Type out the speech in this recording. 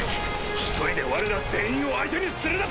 １人でわれら全員を相手にするだと？